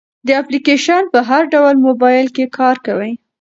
دا اپلیکیشن په هر ډول موبایل کې کار کوي.